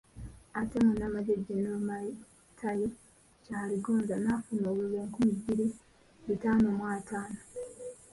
Ate Munnamaje Gen. Matayo Kyaligonza n'afuna obululu enkumi bbiri bitaano mu ataano.